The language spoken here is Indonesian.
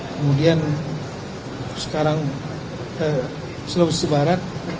kemudian sekarang sulawesi barat